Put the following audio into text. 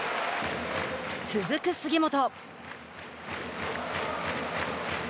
続く杉本。